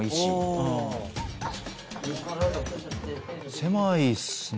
狭いっすね。